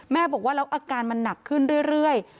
บอกว่าแล้วอาการมันหนักขึ้นเรื่อย